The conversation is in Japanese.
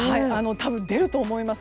多分出ると思います。